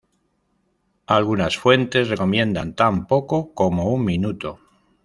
Algunas fuentes recomiendan tan poco como un minuto.